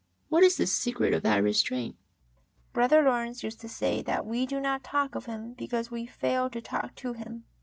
What is the secret of that restraint? Brother Lawrence used to say that we do not talk of Him because w^e fail to talk to Him.